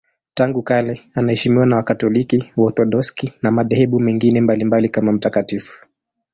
Tangu kale anaheshimiwa na Wakatoliki, Waorthodoksi na madhehebu mengine mbalimbali kama mtakatifu.